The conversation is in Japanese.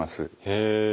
へえ。